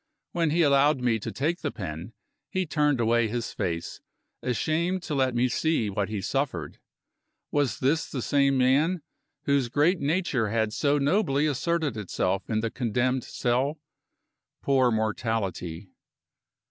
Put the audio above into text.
When he allowed me to take the pen, he turned away his face, ashamed to let me see what he suffered. Was this the same man, whose great nature had so nobly asserted itself in the condemned cell? Poor mortality!